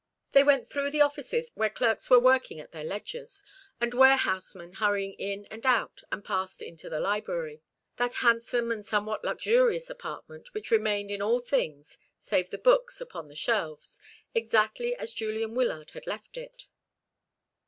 They went through the offices, where clerks were working at their ledgers, and warehousemen hurrying in and out, and passed into the library that handsome and somewhat luxurious apartment, which remained in all things, save the books upon the shelves, exactly as Julian Wyllard had left it.